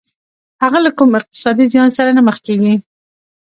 هغه له کوم اقتصادي زيان سره نه مخ کېږي.